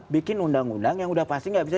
bikin undang undang yang udah pasti nggak bisa